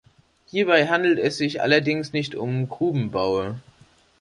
Hierbei handelt es sich allerdings nicht um Grubenbaue.